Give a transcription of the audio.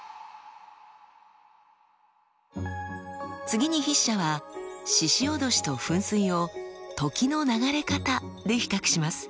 次に筆者は鹿おどしと噴水を時の流れ方で比較します。